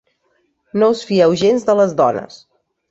No us fieu gens de les dones